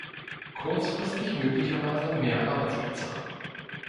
Kurzfristig möglicherweise mehr Arbeitsplätze.